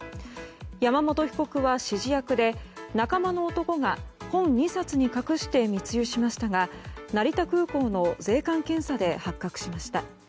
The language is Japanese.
山本被告は指示役で仲間の男が本２冊に隠して密輸しましたが成田空港の税関検査で発覚しました。